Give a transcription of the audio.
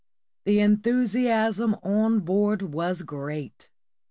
] The enthusiasm on board was great.